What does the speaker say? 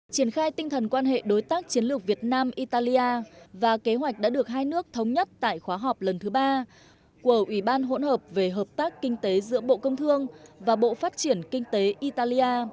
triển khai tinh thần quan hệ đối tác chiến lược việt nam italia và kế hoạch đã được hai nước thống nhất tại khóa họp lần thứ ba của ủy ban hỗn hợp về hợp tác kinh tế giữa bộ công thương và bộ phát triển kinh tế italia